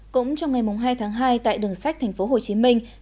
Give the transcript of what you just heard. cũng trong ngày hai tháng hai tại đường sách tp hcm